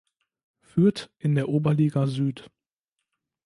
Fürth in der Oberliga Süd.